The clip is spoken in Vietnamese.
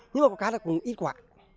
nhưng mà có cái là cũng ít quả